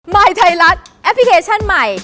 ยไทยรัฐแอปพลิเคชันใหม่